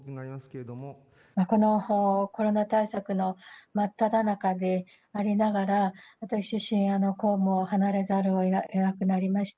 このコロナ対策の真っただ中でありながら、私自身、公務を離れざるをえなくなりました。